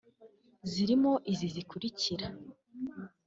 zirimo izi zikurikira